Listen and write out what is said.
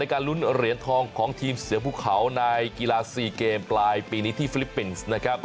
การลุ้นเหรียญทองของทีมเสือภูเขาในกีฬา๔เกมปลายปีนี้ที่ฟิลิปปินส์นะครับ